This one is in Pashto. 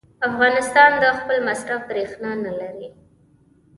افغانستان د خپل مصرف برېښنا نه لري.